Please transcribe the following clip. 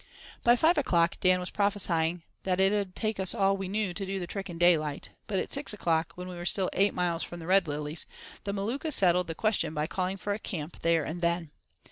By five o'clock Dan was prophesying that "it 'ud take us all we knew to do the trick in daylight," but at six o'clock, when we were still eight miles from the Red Lilies, the Maluka settled the question by calling for a camp there and then.